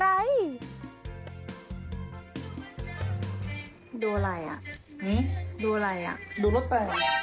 ดูอะไรล่ะดูอะไรล่ะ